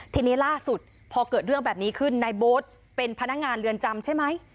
ทีนี้ล่าสุดพอเกิดเรื่องแบบนี้ขึ้นนายโบ๊ทเป็นพนักงานเรือนจำใช่ไหม